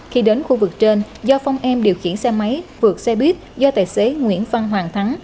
khi đến khu vực trên do phong em điều khiển xe máy vượt xe buýt do tài xế nguyễn phan hoàng thắng